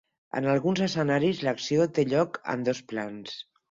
En alguns escenaris l'acció té lloc en dos plans.